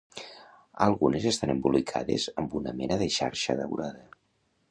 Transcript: Algunes estan embolicades amb una mena de xarxa daurada.